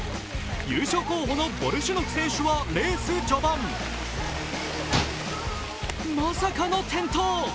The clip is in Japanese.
優勝候補のボルシュノフ選手はレース序盤、まさかの転倒。